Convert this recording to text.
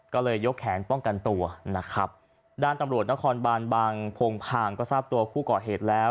ก็เลยยกแขนป้องกันตัวนะครับด้านตำรวจนครบานบางโพงพางก็ทราบตัวผู้ก่อเหตุแล้ว